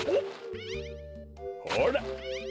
ほら！